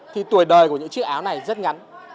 thì tuổi đời của những chiếc áo này rất ngắn